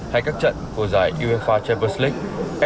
hay các trận của giải uefa champions league